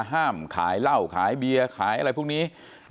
ห้ามขายเหล้าขายเบียร์ขายอะไรพวกนี้